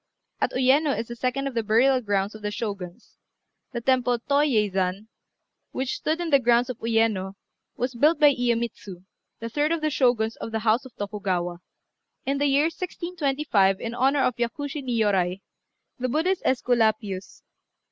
At Uyéno is the second of the burial grounds of the Shoguns. The Temple Tô yei zan, which stood in the grounds of Uyéno, was built by Iyémitsu, the third of the Shoguns of the house of Tokugawa, in the year 1625, in honour of Yakushi Niôrai, the Buddhist Æsculapius.